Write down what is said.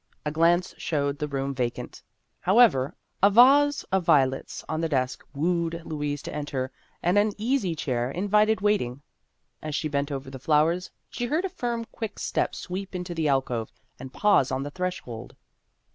A glance showed the room vacant. How ever, a vase of violets on the desk wooed Louise to enter, and an easy chair invited waiting. As she bent over the flowers, she heard a firm quick step sweep into the alcove and pause on the threshold.